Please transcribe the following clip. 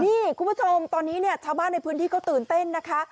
นี่คุณผู้ชมตอนนี้เนี่ยชาวบ้านในพื้นที่ก็ตื่นเต้นนะคะ